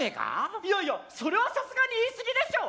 いやいやそれはさすがに言い過ぎでしょう。